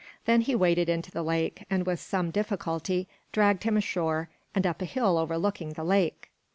Then he waded into the lake, and with some difficulty dragged him ashore and up a hill overlooking the lake.